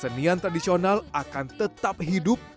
senian tradisional akan tetap hidup